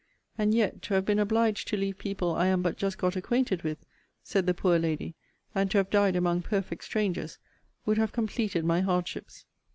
And yet, to have been obliged to leave people I am but just got acquainted with, said the poor lady, and to have died among perfect strangers, would have completed my hardships.